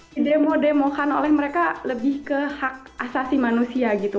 didemo demokan oleh mereka lebih ke hak asasi manusia gitu